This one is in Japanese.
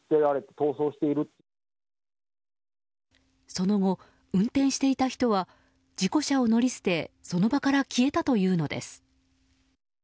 その後、運転していた人は事故車を乗り捨てその場から消えたというのです。